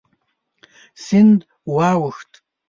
سیند واوښت.